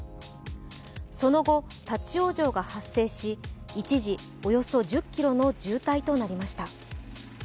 その後、立往生が発生し、一時、およそ１０ｋｍの渋滞となりました。